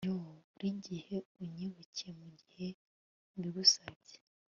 yoo! burigihe unyibuke mugihe mbigusabye